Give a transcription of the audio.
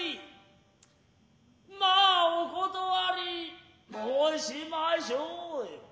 まァお断り申しましょうよ。